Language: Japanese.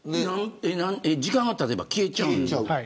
時間がたてば消えちゃうんですか。